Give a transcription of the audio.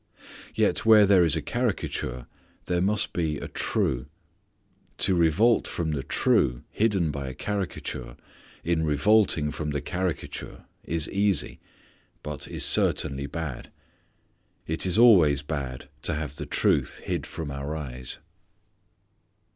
Yet where there is a caricature there must be a true. To revolt from the true, hidden by a caricature, in revolting from the caricature is easy, but is certainly bad. It is always bad to have the truth hid from our eyes.